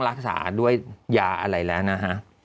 รักษาด้วยยาอะไรแล้วนะฮะ